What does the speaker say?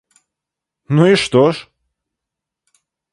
Ну, и что ж!